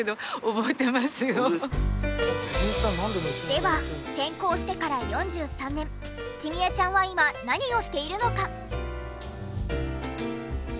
では転校してから４３年紀美江ちゃんは今何をしているのか？